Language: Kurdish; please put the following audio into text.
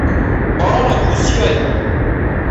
barana kosiya ye.